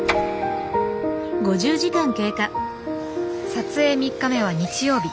撮影３日目は日曜日。